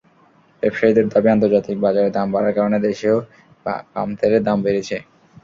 ব্যবসায়ীদের দাবি, আন্তর্জাতিক বাজারে দাম বাড়ার কারণে দেশেও পাম তেলের দাম বেড়েছে।